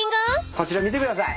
こちら見てください。